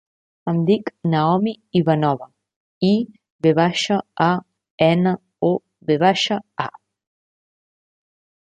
Em dic Naomi Ivanova: i, ve baixa, a, ena, o, ve baixa, a.